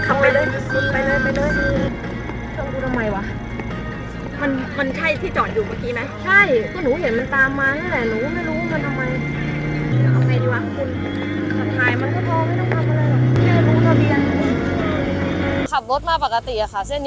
สวัสดีครับที่ได้รับความรักของคุณ